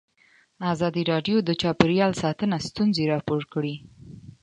ازادي راډیو د چاپیریال ساتنه ستونزې راپور کړي.